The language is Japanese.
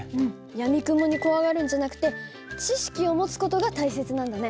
やみくもに怖がるんじゃなくて知識を持つ事が大切なんだね。